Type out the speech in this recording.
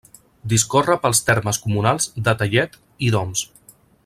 Discorre pels termes comunals de Tellet i d'Oms.